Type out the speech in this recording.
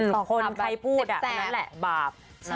ส่อคนใครพูดนั่นแหละบาปนะสับสัตว์แสบ